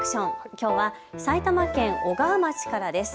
きょうは埼玉県小川町からです。